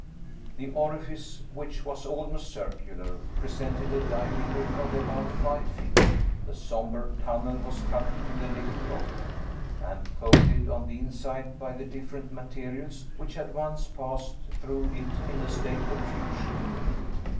The orifice, which was almost circular, presented a diameter of about five feet; the somber tunnel was cut in the living rock, and coated on the inside by the different material which had once passed through it in a state of fusion.